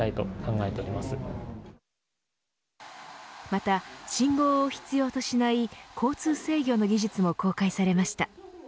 また信号を必要としない交通制御の技術も公開されました。